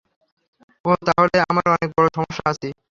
ওহ, তাহলে আমরা অনেক বড় সমস্যায় আছি।